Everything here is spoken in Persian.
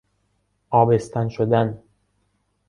آبستن شدن